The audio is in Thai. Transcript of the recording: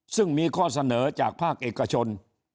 ซึ่งมีข้อเสนอจากภาคเอกชน